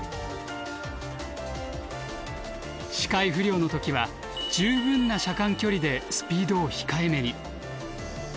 視界不良の時は十分な車間距離でスピードを控えめに。